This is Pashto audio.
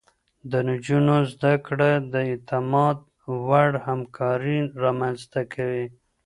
د نجونو زده کړه د اعتماد وړ همکاري رامنځته کوي.